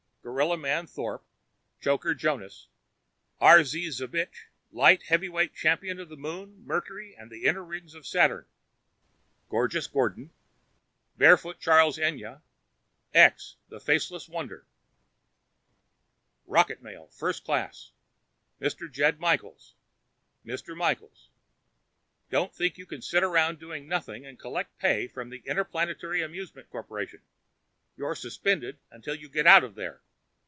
Gorilla Man Thorpe Choker Jonas R. Z. Zbich, light heavyweight champion of the Moon, Mercury and the inner rings of Saturn Gorgeous Gordon Barefoot Charles Anya X, the Faceless Wonder ROCKET MAIL (First Class) Mr. Jed Michaels Mr. Michaels: Don't think you can sit around doing nothing and collect pay from the Interplanetary Amusement Corp. You're suspended until you get out of there.